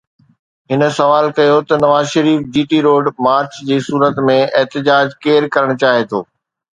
هن سوال ڪيو ته Nawaz Sharif G T road march جي صورت ۾ احتجاج ڪير ڪرڻ چاهي ٿو؟